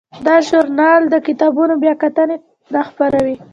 دا ژورنال د کتابونو بیاکتنې نه خپروي.